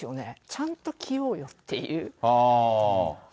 ちゃんと着ようよっていう。